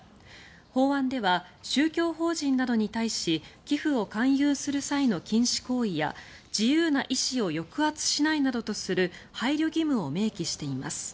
法案では宗教法人などに対し寄付の勧誘する際の禁止行為や自由な意思を抑圧しないなどとする配慮義務を明記しています。